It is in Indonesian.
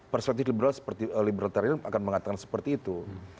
perspektif liberal seperti laboratorium akan mengatakan seperti itu